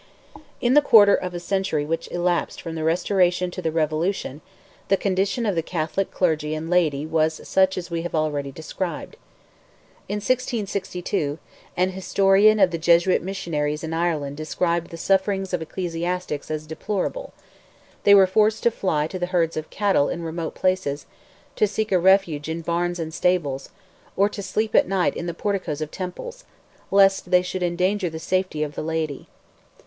In the quarter of a century which elapsed from the restoration to the revolution, the condition of the Catholic clergy and laity was such as we have already described. In 1662, an historian of the Jesuit missionaries in Ireland described the sufferings of ecclesiastics as deplorable; they were forced to fly to the herds of cattle in remote places, to seek a refuge in barns and stables, or to sleep at night in the porticoes of temples, lest they should endanger the safety of the laity.